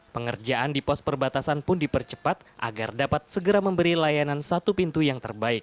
pengerjaan di pos perbatasan pun dipercepat agar dapat segera memberi layanan satu pintu yang terbaik